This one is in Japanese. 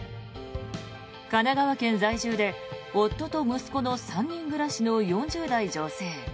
神奈川県在住で夫と息子の３人暮らしの４０代女性。